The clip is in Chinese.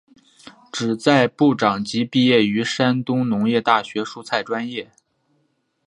旨在部长级毕业于山东农业大学蔬菜专业。